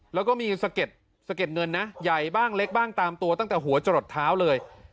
แล้วก็มีสะเด็ดเงินนะใหญ่บ้างเล็กบ้างตามตัวตั้งแต่หัวจะหลดเท้าเลย